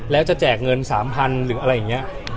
แล้วจะแจกเงิน๓๐๐๐หรืออะไรอย่างนี้